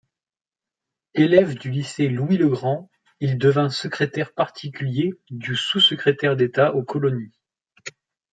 Élève du Lycée Louis-le-Grand, il devint secrétaire particulier du Sous-Secrétaire d'État aux colonies.